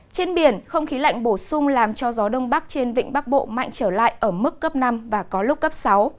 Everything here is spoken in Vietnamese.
trên biển không khí lạnh bổ sung làm cho gió đông bắc trên vịnh bắc bộ mạnh trở lại ở mức cấp năm và có lúc cấp sáu